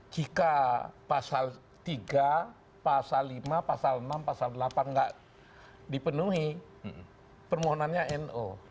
jika pasal tiga pasal lima pasal enam pasal delapan tidak dipenuhi permohonannya no